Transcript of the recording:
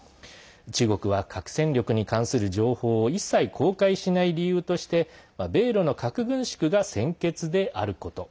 中国は核戦力に関する情報を一切公開しない理由として米ロの核軍縮が先決であること。